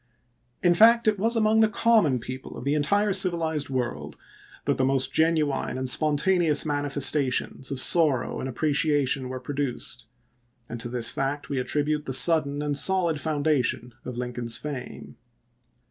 In fact it was among the common people of the entire civilized world that the most genuine and spontaneous manifestations of sorrow and appre ciation were produced, and to this fact we attribute the sudden and solid foundation of Lincoln's fame.